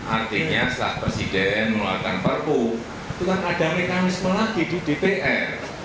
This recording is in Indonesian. artinya saat presiden mengeluarkan perpu itu kan ada mekanisme lagi di dpr